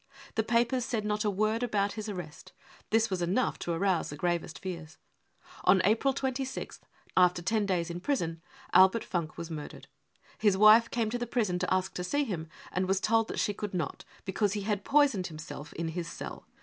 The papers said not a word about his arrest ; this was enough to arouse the gravest fears. On April 26th, after ten days in prison, Albert Funk was murdered.. His wife came to the prison to ask to see him, and was told that she could not, because he had poisoned himself in his cell.